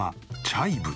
「チャイブ？」